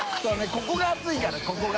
ここが熱いからここが。